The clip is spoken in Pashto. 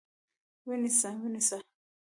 ونیسه! ونیسه!